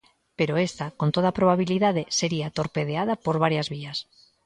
Pero esta, con toda probabilidade, sería torpedeada por varias vías.